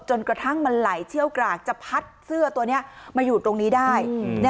จนกระทั่งมันไหลเชี่ยวกรากจะพัดเสื้อตัวนี้มาอยู่ตรงนี้ได้